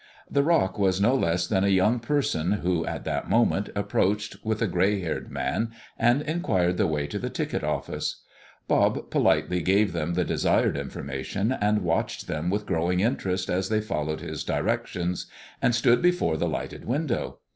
The rock was no less than a young person who at that moment approached, with a gray haired man, and inquired the way to the ticket office. Bob politely gave them the desired information, and watched them with growing interest as they followed his directions, and stood before the lighted window.